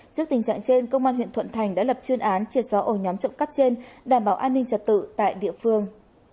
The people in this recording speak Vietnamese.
trước tình trạng trên công an huyện thuận thành đã lập chuyên án triệt xóa ổ nhóm trộm cắp trên đảm bảo an ninh trật tự tại địa phương